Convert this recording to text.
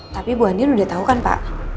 tapi bu andin sudah tahu kan pak